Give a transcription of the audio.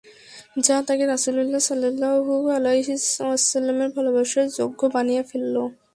যা তাঁকে রাসূলুল্লাহ সাল্লাল্লাহু আলাইহি ওয়াসাল্লামের ভালবাসার যোগ্য বানিয়ে ফেলল।